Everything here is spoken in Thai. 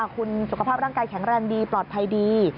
คุณสุขภาพร่างกายแข็งแรงดีปลอดภัยดี